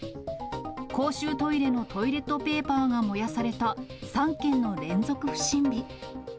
公衆トイレのトイレットペーパーが燃やされた３件の連続不審火。